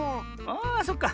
あそっか。